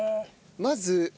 まず。